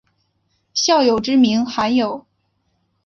孝友之名罕有。